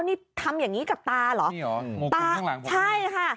นี่ทำอย่างงี้กับตาเหรอนี่หรอโงคุลข้างหลังใช่ค่ะ